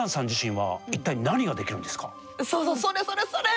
そうそうそれそれそれ！